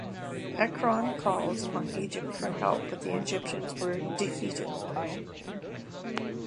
Ekron called on Egypt for help but the Egyptians were defeated.